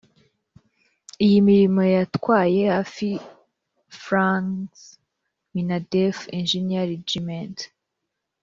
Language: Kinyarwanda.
iyi mirimo yatwaye hafi frw minadef engineer regiment